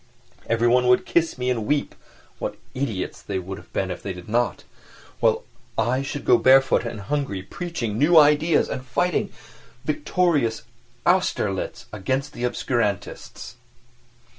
Everyone would kiss me and weep (what idiots they would be if they did not), while I should go barefoot and hungry preaching new ideas and fighting a victorious Austerlitz against the obscurantists.